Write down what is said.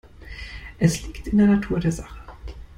Es liegt in der Natur der Sache.